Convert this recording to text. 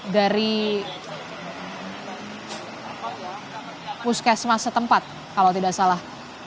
dari puskesmas setempat kalau tidak salah